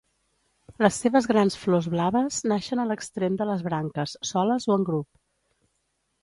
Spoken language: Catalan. Les seves grans flors blaves naixen a l'extrem de les branques, soles o en grup.